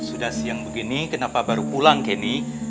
sudah siang begini kenapa baru pulang kenny